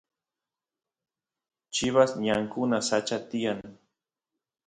chivas ñankuna sacha tiyan